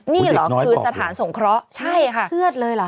นี่เหรอคือสถานสงเคราะห์ใช่ค่ะเครียดเลยเหรอ